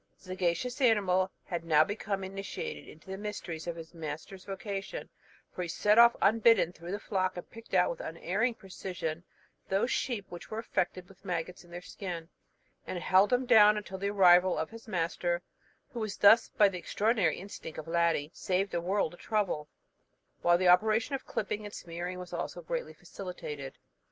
The sagacious animal had now become initiated into the mysteries of his master's vocation, for off he set unbidden through the flock, and picked out with unerring precision those sheep which were affected with maggots in their skin, and held them down until the arrival of his master; who was thus, by the extraordinary instinct of Ladie, saved a world of trouble, while the operation of clipping and smearing was also greatly facilitated.